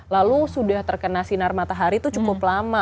lalu sudah terkena sinar matahari itu cukup lama